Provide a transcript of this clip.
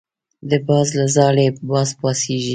د باز له ځالې باز پاڅېږي.